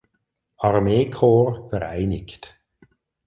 Armeekorps vereinigt.